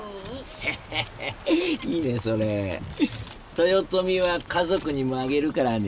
豊臣は家族にもあげるからね。